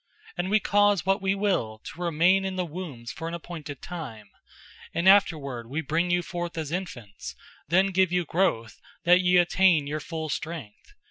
And We cause what We will to remain in the wombs for an appointed time, and afterward We bring you forth as infants, then (give you growth) that ye attain your full strength.